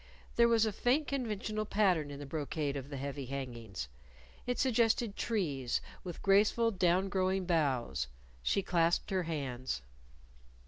There was a faint conventional pattern in the brocade of the heavy hangings. It suggested trees with graceful down growing boughs. She clasped her hands.